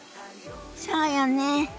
そうよね。